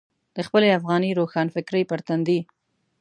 د خپلې افغاني روښانفکرۍ پر تندي.